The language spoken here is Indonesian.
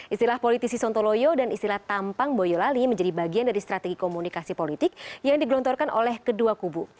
istilah politisi sontoloyo dan istilah tampang boyolali menjadi bagian dari strategi komunikasi politik yang digelontorkan oleh kedua kubu